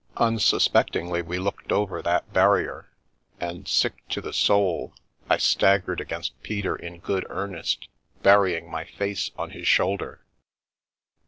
Unsuspectingly we looked over that barrier — and sick to the soul, I staggered against Peter in good earnest, burying my face on his shoulder.